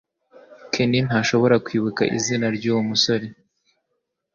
ken ntashobora kwibuka izina ryuwo musore